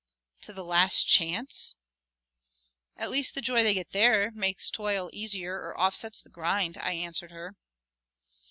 "To the Last Chance?" "At least they get joy there that makes toil easier or offsets the grind," I answered her.